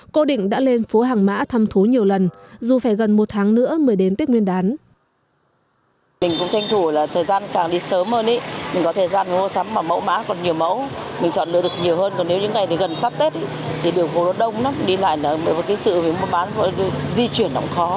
cô định đã lên phố hàng mã thăm thú nhiều lần dù phải gần một tháng nữa mới đến tết nguyên đán